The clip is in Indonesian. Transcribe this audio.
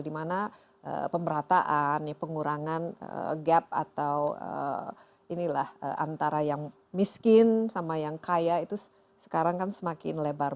dimana pemerataan pengurangan gap atau inilah antara yang miskin sama yang kaya itu sekarang kan semakin lebar